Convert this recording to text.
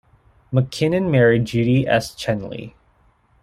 McKinnon married Judy S. Chenley.